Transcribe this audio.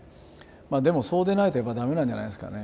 でもそうでないとやっぱダメなんじゃないですかね。